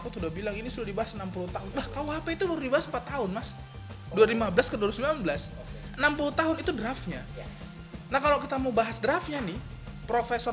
tahun mas dua ribu lima belas dua ribu sembilan belas enam puluh tahun itu draftnya nah kalau kita mau bahas draftnya nih profesor